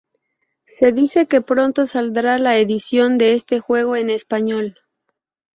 Se dice que pronto saldrá la edición de este juego en español.